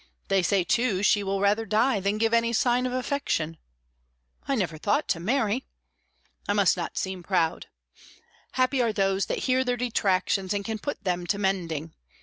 They say, too, she will rather die than give any sign of affection.... I never thought to marry.... I must not seem proud. Happy are those that hear their detractions and can put them to mending.